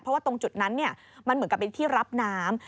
เพราะว่าตรงจุดนั้นมันเหมือนกับเป็นที่รับน้ำ